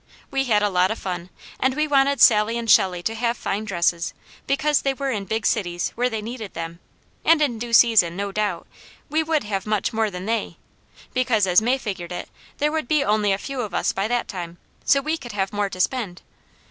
We had a lot of fun, and we wanted Sally and Shelley to have fine dresses, because they were in big cities where they needed them, and in due season, no doubt, we would have much more than they, because, as May figured it, there would be only a few of us by that time, so we could have more to spend.